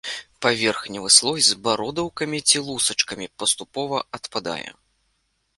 Паверхневы слой з бародаўкамі ці лусачкамі, паступова адпадае.